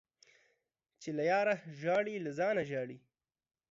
چي له ياره ژاړې ، له ځانه ژاړې.